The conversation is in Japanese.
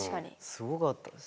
すごかったです。